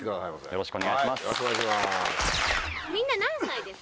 よろしくお願いします。